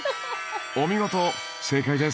お見事正解です。